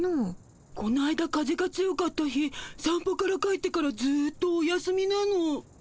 この間風が強かった日さん歩から帰ってからずっとお休みなの。